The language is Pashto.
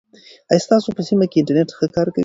آیا ستاسو په سیمه کې انټرنیټ ښه کار کوي؟